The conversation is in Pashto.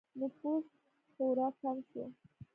نفوس خورا کم شو